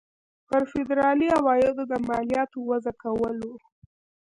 پر فدرالي عوایدو د مالیاتو وضع کول وو.